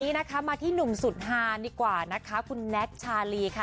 วันนี้นะคะมาที่หนุ่มสุดฮานดีกว่านะคะคุณแน็กชาลีค่ะ